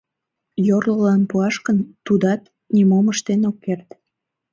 Йорлылан пуаш гын, тудат нимом ыштен ок керт.